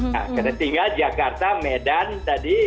nah karena tinggal jakarta medan tadi